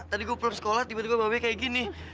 tadi gue pulang sekolah tiba tiba bapaknya kayak gini